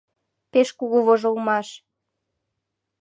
Пеш кугу вожылмаш!